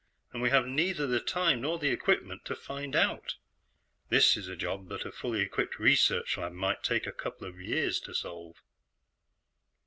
And we have neither the time nor the equipment to find out. This is a job that a fully equipped research lab might take a couple of years to solve."